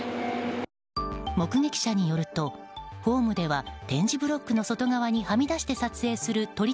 目撃者によるとホームでは点字ブロックの外側にはみ出して撮影する撮り